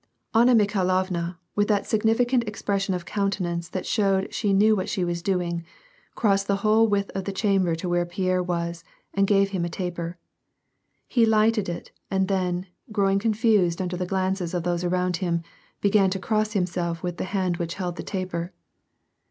Anna Mikhailovna with that significant expression of coun tenance that showed she knew what she was doing, crossed the whole width of the chamber to where Pierre was and gave him a taper. He lighted it, and then, growing confused under the glances of those around him, began to cross himself with the hand which held the taper.